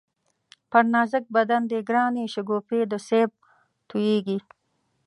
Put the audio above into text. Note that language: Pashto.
پر نازک بدن دی گرانی شگوفې د سېب تویېږی